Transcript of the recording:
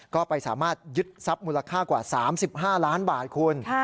ก็ไปสามารถยึดทรัพย์มูลค่ากว่า๓๕ล้านบาทคุณ